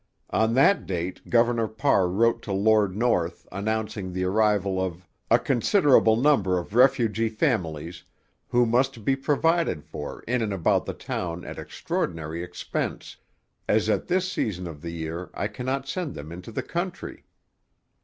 On that date Governor Parr wrote to Lord North announcing the arrival of 'a considerable number of Refugee families, who must be provided for in and about the town at extraordinary expence, as at this season of the year I cannot send them into the country.'